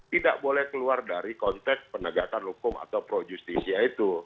tidak boleh keluar dari konteks penegakan hukum atau pro justisia itu